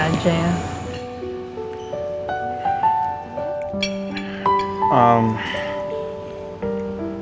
aku takutkan pada kamu